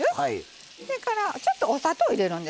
それから、ちょっとお砂糖を入れるんです。